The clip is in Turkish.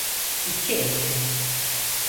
İki etti.